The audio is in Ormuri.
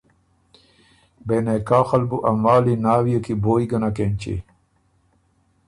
بې نکاحه ال بُو ا مالی ناوئے کی بویٛ ګۀ نک اېنچی